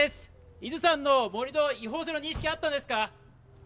伊豆山の盛り土、違法性の認識はあったんですか？